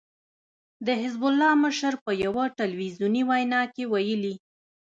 د حزب الله مشر په يوه ټلويزیوني وينا کې ويلي